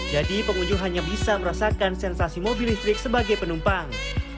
jadi pengunjung hanya bisa merasakan sensasi mobil listrik sebagai penumpang